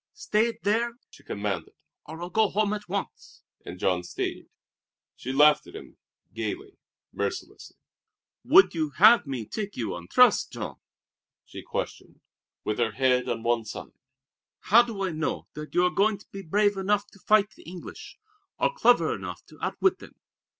"Stay there!" she commanded, "or I'll go home at once!" And Jean stayed. She laughed at him gayly, mercilessly. "Would you have me take you on trust, Jean?" she questioned, with her head on one side. "How do I know that you are going to be brave enough to fight the English, or clever enough to outwit them?